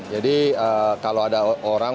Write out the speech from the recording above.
jadi kalau ada orang